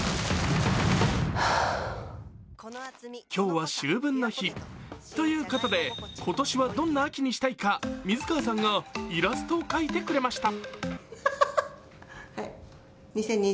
今日は秋分の日、ということで今年はどんな秋にしたいか水川さんがイラストを描いてくれました。